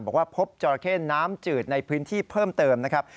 บอกว่าพบจราเข้น้ำจืดในพื้นที่เพิ่มเติมนะครับ